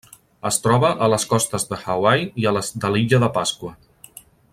Es troba a les costes de Hawaii i a les de l'Illa de Pasqua.